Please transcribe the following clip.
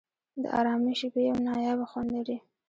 د آرامۍ شېبې یو نایابه خوند لري.